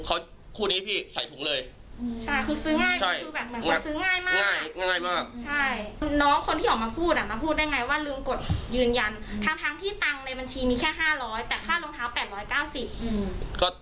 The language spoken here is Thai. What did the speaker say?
ทั้งที่ตังค์ในบัญชีมีแค่๕๐๐บาทแต่ค่ารองเท้า๘๙๐บาท